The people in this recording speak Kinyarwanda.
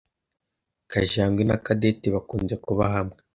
Kajangwe Na Cadette bakunze kuba hamwe.